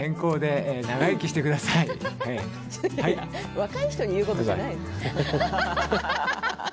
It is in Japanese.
若い人に言うことじゃないよね。